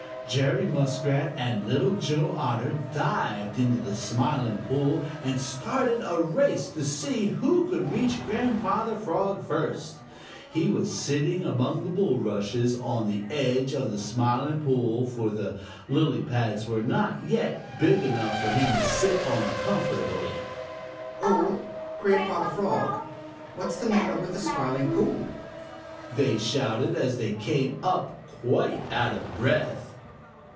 Jerry Muskrat and Little Joe Otter dived into the Smiling Pool and started a race to see who could reach Grandfather Frog first. He was sitting among the bulrushes on the edge of the Smiling Pool, for the lily pads were not yet big enough for him to sit on comfortably. "Oh, Grandfather Frog, what's the matter with the Smiling Pool?" they shouted, as they came up quite out of breath.